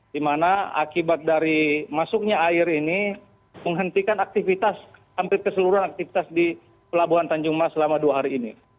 di mana akibat dari masuknya air ini menghentikan aktivitas hampir keseluruhan aktivitas di pelabuhan tanjung mas selama dua hari ini